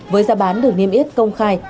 với giá bán được niêm yết công khai